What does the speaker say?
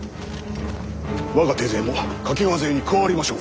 我が手勢も懸川勢に加わりましょう。